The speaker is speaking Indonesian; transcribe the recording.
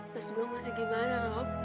terus gue mesti gimana roh